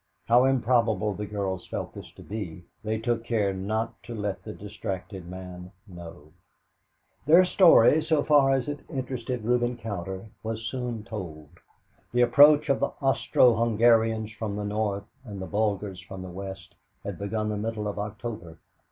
How improbable the girls felt this to be, they took care not to let the distracted man know. Their story, so far as it interested Reuben Cowder, was soon told. The approach of the Austro Hungarians from the north and the Bulgars from the west had begun the middle of October.